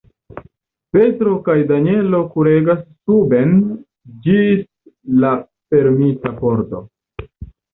Petro kaj Danjelo kuregis suben ĝis la fermita pordo.